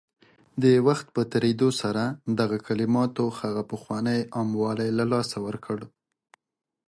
د وخت په تېرېدو سره دغه کلماتو هغه پخوانی عام والی له لاسه ورکړ